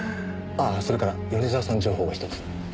ああそれから米沢さん情報を１つ。